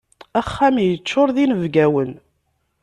Axxam yeččur d inebgawen.